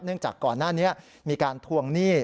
จากก่อนหน้านี้มีการทวงหนี้